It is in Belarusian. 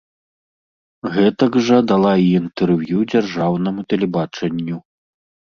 Гэтак жа дала і інтэрв'ю дзяржаўнаму тэлебачанню.